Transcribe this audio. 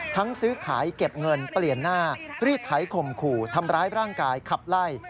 ซื้อขายเก็บเงินเปลี่ยนหน้ารีดไถข่มขู่ทำร้ายร่างกายขับไล่